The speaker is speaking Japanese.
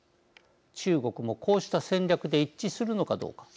中国もこうした戦略で一致するのかどうか。